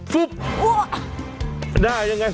หน้ายังไง